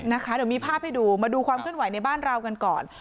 เดี๋ยวมีภาพให้ดูมาดูความเคลื่อนไหวในบ้านเรากันก่อน